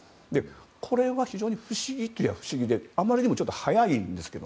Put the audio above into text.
これは非常に不思議といえば不思議であまりにも早いんですね。